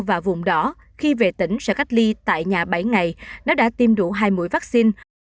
và vùng đỏ khi về tỉnh sẽ cách ly tại nhà bảy ngày nó đã tiêm đủ hai mũi vaccine